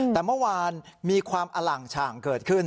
แต่เมื่อวานมีความอล่างฉ่างเกิดขึ้น